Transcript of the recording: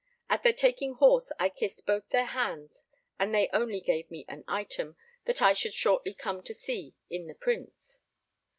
At their taking horse I kissed both their hands and they only gave me an item that I should shortly come to sea in the Prince.